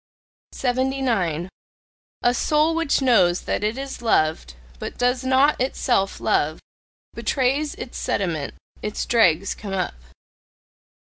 79. A soul which knows that it is loved, but does not itself love, betrays its sediment: its dregs come up.